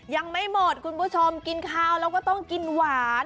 ยังไม่หมดคุณผู้ชมกินข้าวแล้วก็ต้องกินหวาน